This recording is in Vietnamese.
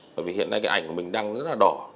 bởi vì hiện nay cái ảnh của mình đang rất là đỏ